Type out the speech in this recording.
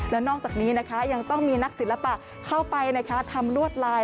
และนอกจากนี้นะคะยังต้องมีนักศิลปะเข้าไปทำลวดลาย